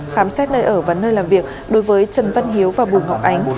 khám xét nơi ở và nơi làm việc đối với trần văn hiếu và bùa ngọc ánh